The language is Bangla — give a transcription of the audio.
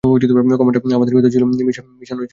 কমান্ডার, আমাদের কথা ছিলো মিশন শেষ করার।